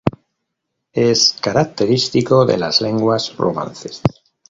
Es característico de las lenguas romances.